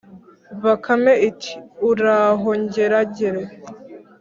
Bakame iti “Uraho Ngeragere!